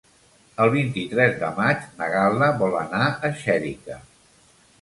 El vint-i-tres de maig na Gal·la vol anar a Xèrica.